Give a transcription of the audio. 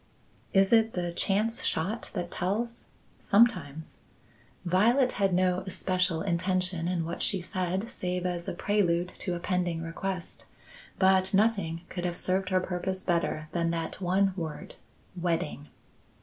Is it the chance shot that tells? Sometimes. Violet had no especial intention in what she said save as a prelude to a pending request, but nothing could have served her purpose better than that one word, wedding.